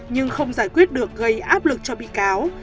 nhưng không giải quyết được gây áp lực cho bị cáo